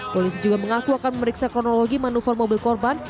polisi juga mengaku akan memeriksa kronologi manuver mobil korban